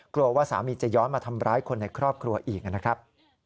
กลัวว่าสามีจะย้อนมาทำร้ายคนในครอบครัวอีกนะครับ